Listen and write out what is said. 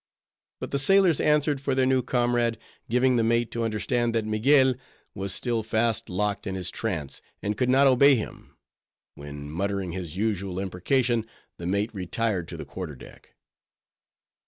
But the sailors answered for their new comrade; giving the mate to understand that Miguel was still fast locked in his trance, and could not obey him; when, muttering his usual imprecation, the mate retired to the quarterdeck.